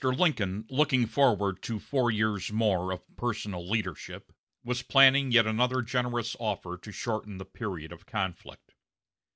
Lincoln, looking forward to four years more of personal leadership, was planning yet another generous offer to shorten the period of conflict.